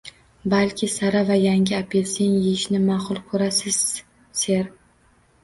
Balki, sara va yangi apelsin eyishni maqul ko`rarsiz, ser